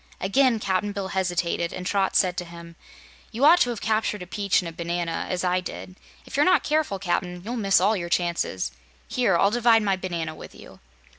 Again Cap'n Bill hesitated, and Trot said to him: "You ought to have captured a peach and a banana, as I did. If you're not careful, Cap'n, you'll miss all your chances. Here, I'll divide my banana with you."